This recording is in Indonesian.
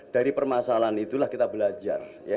dari permasalahan itulah kita belajar